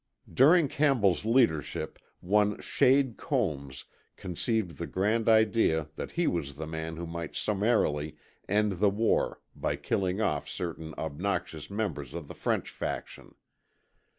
During Campbell's leadership one Shade Combs conceived the grand idea that he was the man who might summarily end the war by killing off certain obnoxious members of the French faction.